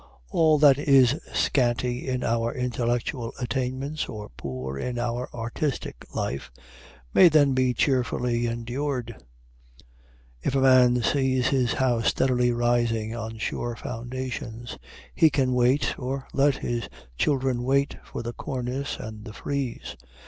All that is scanty in our intellectual attainments, or poor in our artistic life, may then be cheerfully endured: if a man sees his house steadily rising on sure foundations, he can wait or let his children wait for the cornice and the frieze.